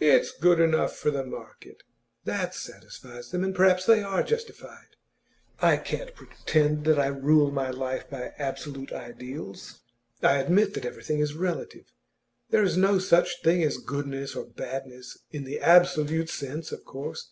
"It's good enough for the market"; that satisfies them. And perhaps they are justified. I can't pretend that I rule my life by absolute ideals; I admit that everything is relative. There is no such thing as goodness or badness, in the absolute sense, of course.